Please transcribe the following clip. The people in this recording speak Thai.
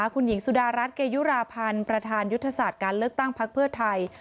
คุณหญิงสุดารัฐเกยุราพันธ์ประธานยุทธศาสตร์การเลือกตั้งพักเพื่อไทย